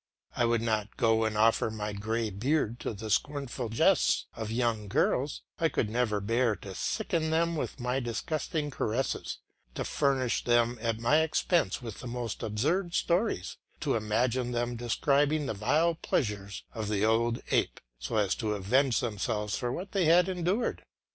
I would not go and offer my grey beard to the scornful jests of young girls; I could never bear to sicken them with my disgusting caresses, to furnish them at my expense with the most absurd stories, to imagine them describing the vile pleasures of the old ape, so as to avenge themselves for what they had endured.